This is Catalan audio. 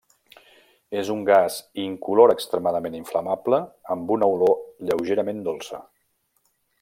És un gas incolor extremadament inflamable amb una olor lleugerament dolça.